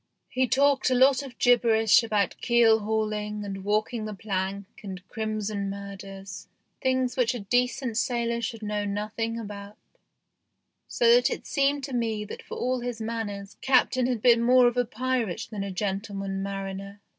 He talked a lot of gibberish about keel hauling and walking the plank and crimson murders things which a decent sailor should know nothing about, so that it seemed to me that for all his manners Captain had been more of a pirate than a gentleman mariner.